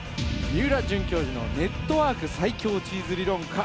三浦准教授のネットワーク最強チーズ理論か？